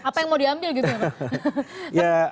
apa yang mau diambil gitu ya pak